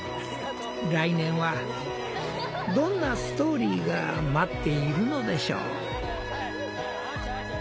来年はどんなストーリーが待っているのでしょう。